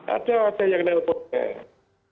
ada ada yang nelfon